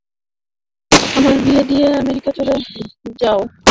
আমার বিয়ে দিয়ে আমেরিকা চলে যাও।